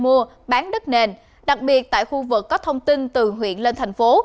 tổng hợp các trang môi giới bất động sản bán đất nền đặc biệt tại khu vực có thông tin từ huyện lên thành phố